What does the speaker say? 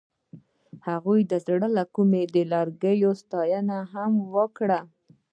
هغې د زړه له کومې د لرګی ستاینه هم وکړه.